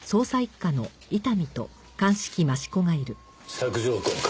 索条痕か。